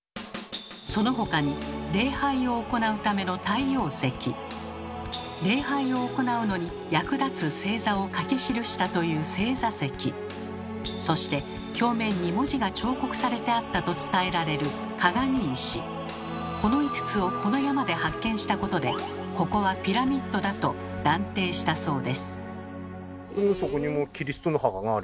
その他に礼拝を行うための礼拝を行うのに役立つ星座を書き記したというそして表面に文字が彫刻されてあったと伝えられるこの５つをこの山で発見したことで「ここはピラミッドだ！」と断定したそうです。